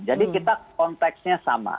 jadi kita konteksnya sama